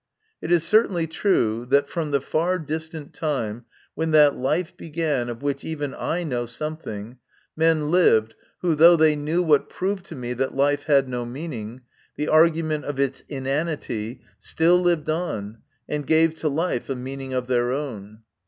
It is certainly true that, from the far distant time when that life began of which even I know something, men lived who, though they knew what proved to me that life had no meaning, the argument of its inanity, still lived on, and gave to life a meaning of their own.